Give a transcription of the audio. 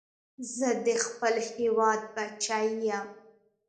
زه د خپل هېواد بچی یم